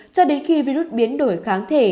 cho đến khi virus biến đổi kháng thể